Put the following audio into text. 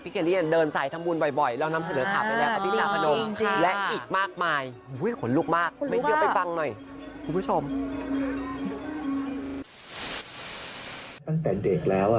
พี่เคลรี่เดินสายทะมูลบ่อยล้อนำเสนอถับไปแล้ว